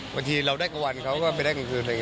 บางทีเราได้กับวันเขาก็ไปได้กับกลางคืน